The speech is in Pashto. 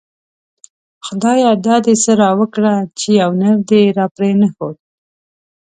خدايه دا دی څه راوکړه ;چی يو نر دی راپری نه ښود